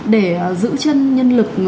để giữ chân nhân lực